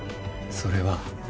それは？